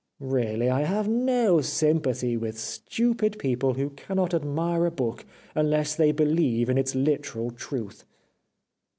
Really, I have no sympathy with stupid people who cannot admire a book unless they believe in its literal truth.'